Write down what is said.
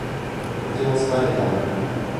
とても疲れた